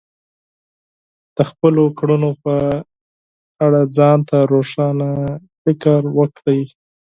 د خپلو کړنو په اړه ځان ته روښانه فکر وکړئ.